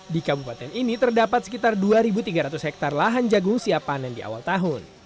di kabupaten ini terdapat sekitar dua tiga ratus hektare lahan jagung siap panen di awal tahun